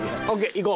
行こう。